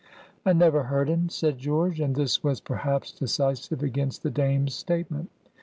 "I never heard un," said George. And this was perhaps decisive against the Dame's statement.